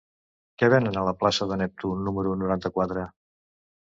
Què venen a la plaça de Neptú número noranta-quatre?